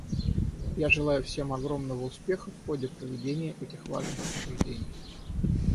Я желаю всем огромного успеха в ходе проведения этих важных обсуждений.